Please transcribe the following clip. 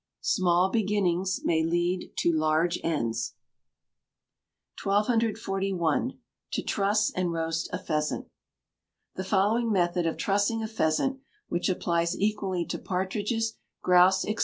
[SMALL BEGINNINGS MAY LEAD TO LARGE ENDS.] 1241. To Truss and Roast a Pheasant. The following method of trussing a pheasant which applies equally to partridges, grouse, &c.